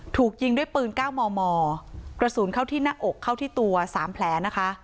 ถูกยิงด้วยปืน๙มมกระสุนเข้าที่หน้าอกเข้าที่ตัว๓แผลนะคะ